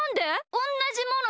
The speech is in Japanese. おんなじもの